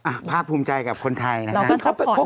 อ้าวพราบภูมิใจกับคนไทยนะครับ